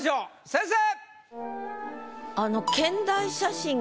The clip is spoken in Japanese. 先生！